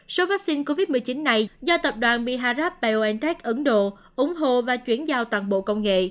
số vaccine covid một mươi chín này do tập đoàn biharp biontech ấn độ ủng hộ và chuyển giao toàn bộ công nghệ